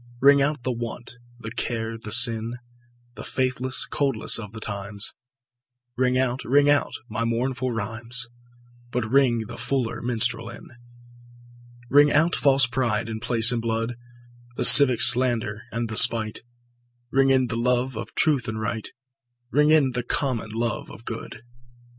Ring out the want, the care the sin, The faithless coldness of the times; Ring out, ring out my mournful rhymes, But ring the fuller minstrel in. Ring out false pride in place and blood, The civic slander and the spite; Ring in the love of truth and right, Ring in the common love of good.